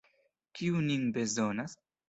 Kiu nin bezonas?